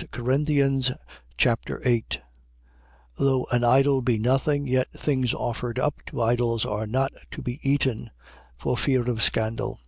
1 Corinthians Chapter 8 Though an idol be nothing, yet things offered up to idols are not to be eaten, for fear of scandal.